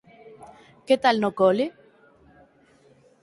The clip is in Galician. Que tal no cole?